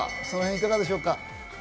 その辺いかがでしょうか？